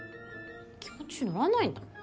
気持ちのらないんだもん。